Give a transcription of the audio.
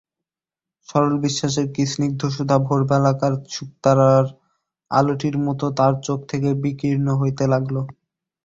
সরল বিশ্বাসের কী স্নিগ্ধসুধা ভোরবেলাকার শুকতারার আলোটির মতো তার চোখ থেকে বিকীর্ণ হতে লাগল।